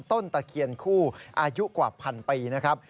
ต้นตะเคียนคู่อายุกว่า๑๐๐๐ปีนะครับ